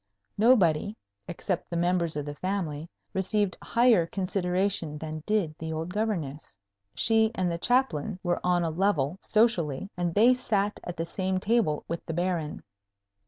Nobody, except the members of the family, received higher consideration than did the old Governess. She and the Chaplain were on a level, socially, and they sat at the same table with the Baron.